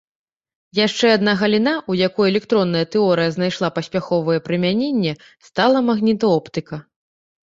Яшчэ адна галіна, у якой электронная тэорыя знайшла паспяховае прымяненне, стала магнітаоптыка.